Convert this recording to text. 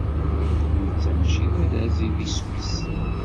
Netta mačči d arraz i d iswi-s.